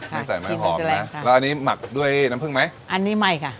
ไม่ใส่มันหอมนะแล้วอันนี้หมักด้วยน้ำผึ้งไหมอันนี้ไม่ค่ะ